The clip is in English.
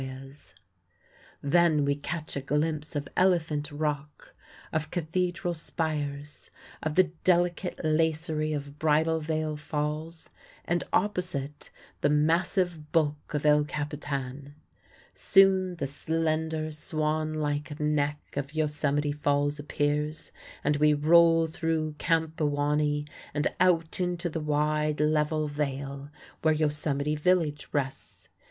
Pillsbury MIRROR LAKE As seen in the early morning] Then we catch a glimpse of Elephant Rock, of Cathedral Spires, of the delicate lacery of Bridal Veil Falls, and, opposite, the massive bulk of El Capitan. Soon the slender, swanlike neck of Yosemite Falls appears, and we roll through Camp Awahnee and out into the wide, level vale where Yosemite Village rests.